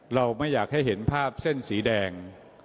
เราไม่อยากให้เห็นภาพเส้นสีแดง